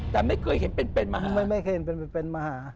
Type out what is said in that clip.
แต่ไม่เคยเห็นเป็นมหา